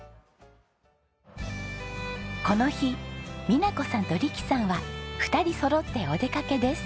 この日美奈子さんと力さんは２人そろってお出かけです。